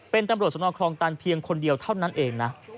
เป็นตำรวจสนคลองตันเพียงคนเดียวเท่านั้นเองนะ